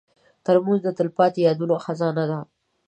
ترموز د تلپاتې یادونو خزانه ده.